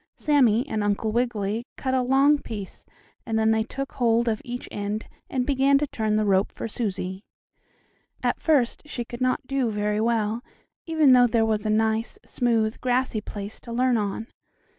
Sammie and Uncle Wiggily cut a long piece, and then they took hold of each end and began to turn the rope for Susie. At first she could not do very well, even though there was a nice, smooth, grassy place to learn on.